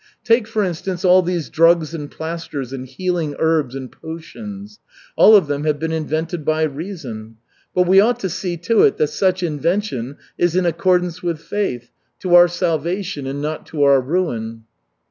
Take, for instance, all these drugs and plasters and healing herbs and potions all of them have been invented by reason. But we ought to see to it that such invention is in accordance with faith, to our salvation and not to our ruin."